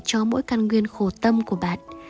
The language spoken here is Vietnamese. cho mỗi căn nguyên khổ tâm của bạn